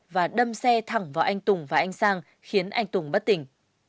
và đâm xe thẳng vào anh tùng và anh sang khiến anh tùng bất tỉnh